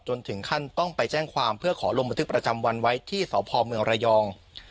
ถึงขั้นต้องไปแจ้งความเพื่อขอลงบันทึกประจำวันไว้ที่สพเมืองระยอง